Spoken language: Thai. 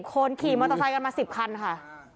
คนขี่มอเตอร์ไซค์กันมา๑๐คันค่ะ